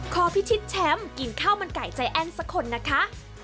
พิชิตแชมป์กินข้าวมันไก่ใจแอ้นสักคนนะคะ